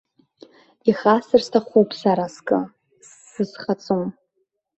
Ихасҵар сҭахуп сара скы, ссызхаҵом.